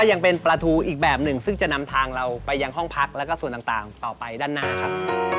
ยังเป็นปลาทูอีกแบบหนึ่งซึ่งจะนำทางเราไปยังห้องพักแล้วก็ส่วนต่างต่อไปด้านหน้าครับ